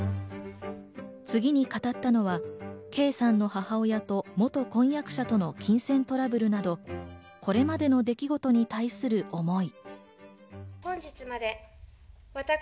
次に語ったのは圭さんの母親と、元婚約者との金銭トラブルなどこれまでの出来事に対する思い。